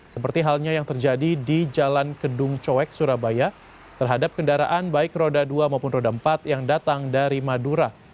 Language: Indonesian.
seperti halnya yang terjadi di jalan kedung coek surabaya terhadap kendaraan baik roda dua maupun roda empat yang datang dari madura